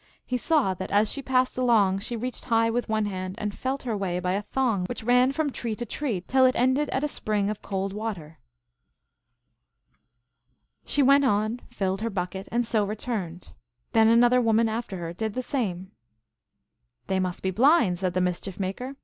He Saw that as she passed along she reached high with one hand, and felt her way by a thong which ran from tree to tree till it ended at a spring of cold water. She 196 THE ALGONQUIN LEGENDS. went on, filled her bucket, and so returned. Then another woman after her did the same. " They must be blind," said the Mischief Maker.